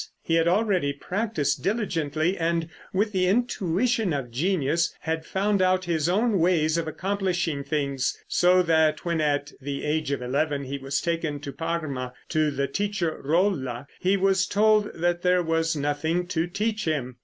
He had already practiced diligently and, with the intuition of genius, had found out his own ways of accomplishing things, so that when, at the age of eleven, he was taken to Parma to the teacher Rolla, he was told that there was nothing to teach him.